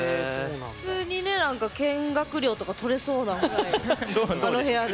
普通にね何か見学料とか取れそうなぐらいあの部屋で。